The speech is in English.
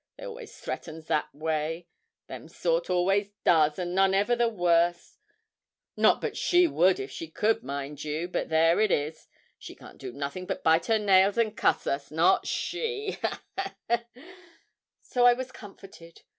They always threatens that way them sort always does, and none ever the worse not but she would if she could, mind ye, but there it is; she can't do nothing but bite her nails and cuss us not she ha, ha, ha!' So I was comforted.